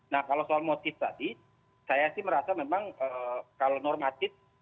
nah kalau soal motif tadi saya sih merasa memang kalau normatif